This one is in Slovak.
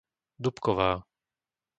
Dubková